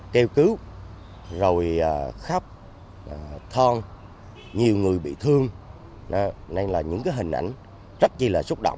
kêu cứu rồi khắp thon nhiều người bị thương nên là những hình ảnh rất là xúc động